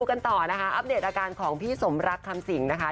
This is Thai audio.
กันต่อนะคะอัปเดตอาการของพี่สมรักคำสิงนะคะ